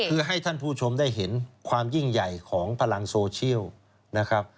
คือให้ท่านผู้ชมได้เห็นความยิ่งใหญ่ของพลังโซเชียลนะครับ